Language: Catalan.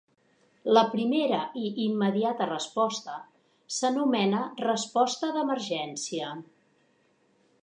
La primera i immediata resposta s'anomena resposta d'emergència.